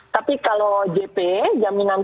tapi kalau jp jaminan